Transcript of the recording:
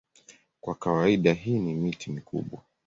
Kwa kawaida hii ni miti mikubwa.